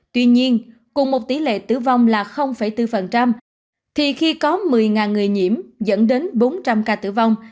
tuy nhiên cùng một tỷ lệ tử vong là bốn thì khi có một mươi người nhiễm dẫn đến bốn trăm linh ca tử vong